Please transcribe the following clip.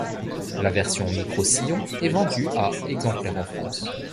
La version microsillon est vendue à exemplaires en France.